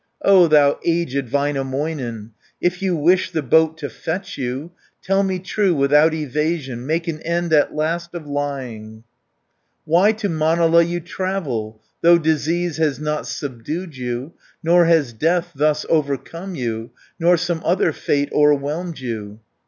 "O thou aged Väinämöinen, If you wish the boat to fetch you, Tell me true, without evasion, Make an end at last of lying, 240 Why to Manala you travel, Though disease has not subdued you, Nor has death thus overcome you, Nor some other fate o'erwhelmed you."